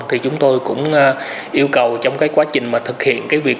thì chúng tôi cũng yêu cầu trong quá trình thực hiện